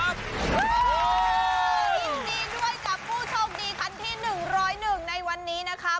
ยินดีด้วยกับผู้โชคดีคันที่๑๐๑ในวันนี้นะคะ